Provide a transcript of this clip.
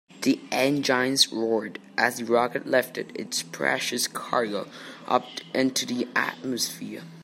The engines roared as the rocket lifted its precious cargo up into the atmosphere.